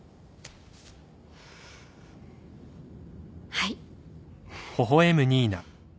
はい。